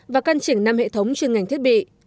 và căn chỉnh năm hệ thống chuyên ngành thiết bị